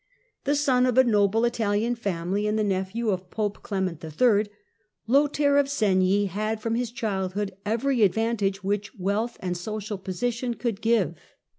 The son of a noble Italian family and the nephew of Pope Clement III., Lothair of Segni had from his childhood every advantage which wealth and social position could give.